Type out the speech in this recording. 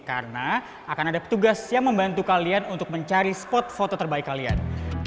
karena akan ada petugas yang membantu kalian untuk mencari spot foto terbaik kalian